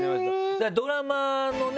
だからドラマのね